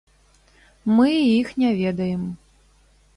Мы іх не ведаем.